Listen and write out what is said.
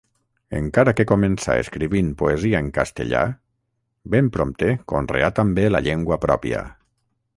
Encara que començà escrivint poesia en castellà, ben prompte conreà també la llengua pròpia.